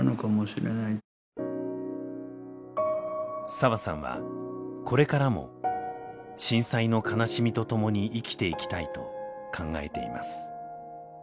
澤さんはこれからも震災の悲しみと共に生きていきたいと考えています。